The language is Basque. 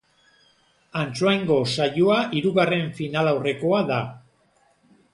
Antsoaingo saioa hirugarren finalaurrekoa da.